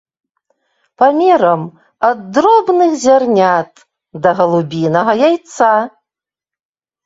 Памерам ад дробных зярнят да галубінага яйца.